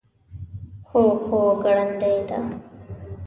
هو، خو ګړندۍ ده